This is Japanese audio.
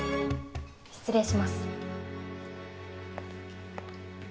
失礼します。